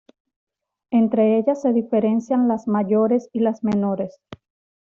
Entre ellas se diferencian las "mayores" y las "menores".